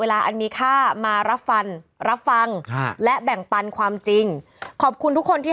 อันมีค่ามารับฟันรับฟังและแบ่งปันความจริงขอบคุณทุกคนที่